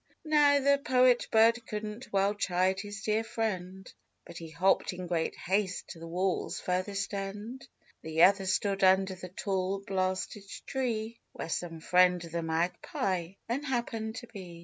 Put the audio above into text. How the Poet bird couldn't well chide his dear friend, But he hopped in great haste to the wall's furthest end ; The other stood under the tall, blasted tree, Where some friend of the Magpie then happened to be.